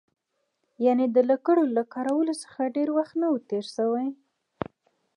یعنې د لکړو له کارولو څخه ډېر وخت نه و تېر شوی.